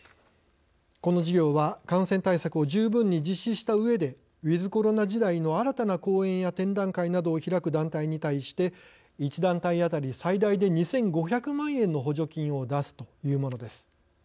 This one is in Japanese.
この事業は、感染対策を十分に実施したうえでウィズコロナ時代の新たな公演や展覧会などを開く団体に対して１団体当たり最大で２５００万円の補助金を出すというものです。